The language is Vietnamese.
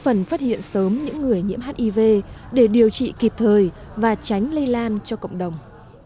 phần phát hiện sớm những người nhiễm hiv để điều trị kịp thời và tránh lây lan cho cộng đồng